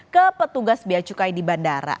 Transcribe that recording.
ke petugas biaya cukai di bandara